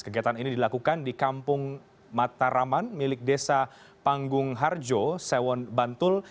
kegiatan ini dilakukan di kampung mataraman milik desa panggung harjo sewon bantul